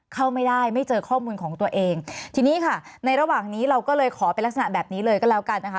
เข้าไม่ได้ไม่เจอข้อมูลของตัวเองทีนี้ค่ะในระหว่างนี้เราก็เลยขอเป็นลักษณะแบบนี้เลยก็แล้วกันนะคะ